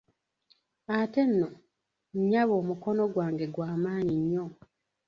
Ate nno, nnyabo omukono gwange gwa maanyi nnyo.